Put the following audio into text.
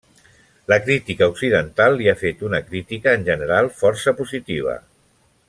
La crítica occidental li ha fet una crítica, en general, força positiva.